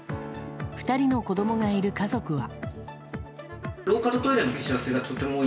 ２人の子供がいる家族は。